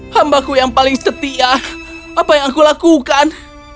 hambaku yang paling setia apa yang aku lakukan